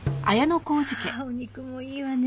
お肉もいいわね。